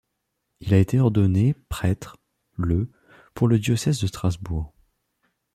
Il a été ordonné prêtre le pour le diocèse de Strasbourg.